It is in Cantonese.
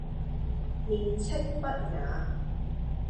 面斥不雅